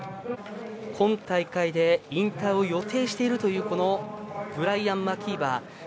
今大会で引退を予定しているというブライアン・マキーバー。